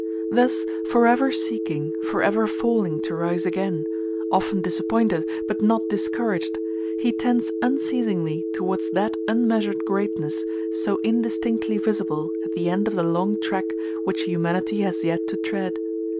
Thus, forever seeking forever falling, to rise again often disappointed, but not discouraged he tends unceasingly towards that unmeasured greatness so indistinctly visible at the end of the long track which humanity has yet to tread.